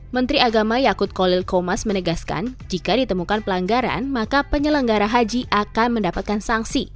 menteri agama yakut kolil komas menegaskan jika ditemukan pelanggaran maka penyelenggara haji akan mendapatkan sanksi